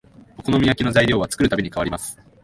お好み焼きの材料は作るたびに変わります